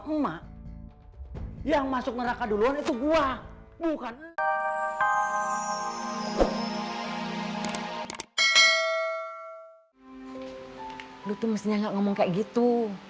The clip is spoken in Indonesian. emak yang masuk neraka duluan itu gua bukan mestinya ngomong kayak gitu